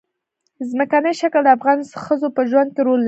ځمکنی شکل د افغان ښځو په ژوند کې رول لري.